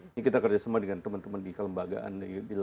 ini kita kerjasama dengan teman teman di kelembagaan